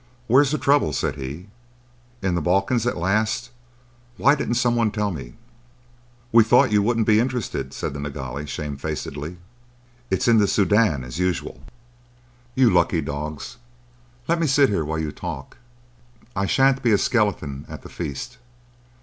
"Where's the trouble?" said he. "In the Balkans at last? Why didn't some one tell me?" "We thought you wouldn't be interested," said the Nilghai, shamefacedly. "It's in the Soudan, as usual." "You lucky dogs! Let me sit here while you talk. I shan't be a skeleton at the feast.